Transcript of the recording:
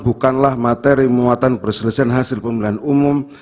bukanlah materi muatan perselisihan hasil pemilihan umum